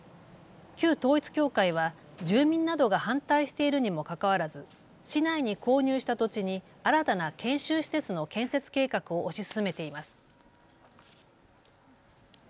旧統一教会は住民などが反対しているにもかかわらず市内に購入した土地に新たな研修施設の建設計画を推し進めています。